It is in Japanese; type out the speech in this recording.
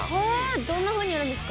どんなふうにやるんですか？